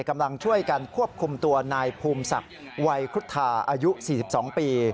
กำลังช่วยกันควบคุมตัวนายภูมิศักดิ์วัยครุฑธาอายุ๔๒ปี